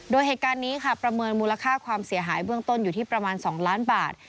โดยเหตุการณ์นี้ค่ะประเมินมูลค่าความเสียหายเบื้องต้นอยู่ที่ประมาณ๒ล้านบาท